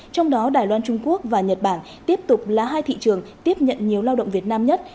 trong đó đài loan trung quốc và nhật bản tiếp tục là hai thị trường tiếp nhận nhiều lao động việt nam nhất